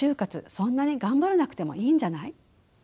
そんなに頑張らなくてもいいんじゃない？」。